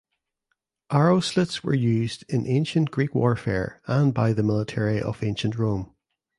Arrowslits were used in ancient Greek warfare and by the military of ancient Rome.